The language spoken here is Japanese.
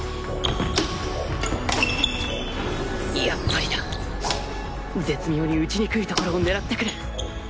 やっぱりだ絶妙に打ちにくい所を狙ってくる